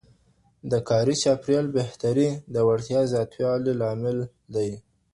د کاري چاپیریال بهتري د وړتیا زیاتوالي لامل دی.